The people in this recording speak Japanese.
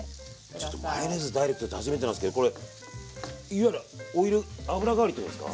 ちょっとマヨネーズダイレクトって初めてなんですけどこれいわゆるオイル油代わりってことですか？